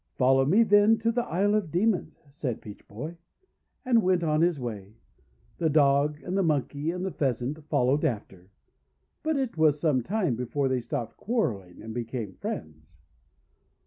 '3 'Follow me, then, to the Isle of Demons," said Peach Boy, and went on his way. The Dog and the Monkey and the Pheasant followed after. But it was some time before they stopped quarrelling and became friends.